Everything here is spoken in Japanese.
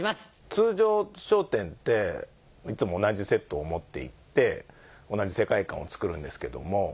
通常『笑点』っていつも同じセットを持っていって同じ世界観を作るんですけども。